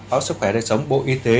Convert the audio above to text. báo sức khỏe đại sống bộ y tế